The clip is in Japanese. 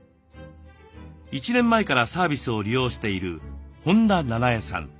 １年前からサービスを利用している本田七重さん。